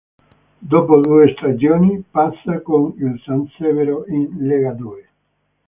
Dopo due stagioni, passa con il San Severo in LegaDue.